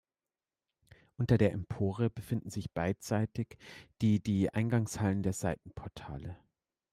Unter der Empore befinden sich beidseitig die die Eingangshallen der Seitenportale.